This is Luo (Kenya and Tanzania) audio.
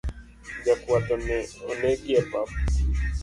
Jakwath onegi epap